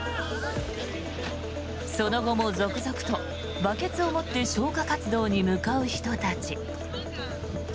その後も続々とバケツを持って消火活動に向かう人たち。